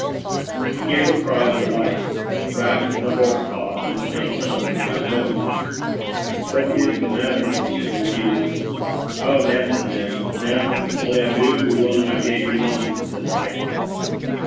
He gave a cry of delight. Wrapped in the horse cloth, Miss St. John did not know him. 'What is the matter?' she repeated. 'Ow, naething, mem naething. Only I doobt we winna get ye hame the nicht.'